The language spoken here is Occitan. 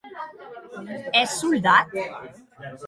Ès soldat?